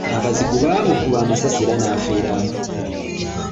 Abazigu baamukuba amasasi era n’afiirawo.